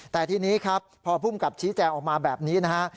แต่ทีนี้ครับพอภูมิกับชี้แจงออกมาแบบนี้นะฮะ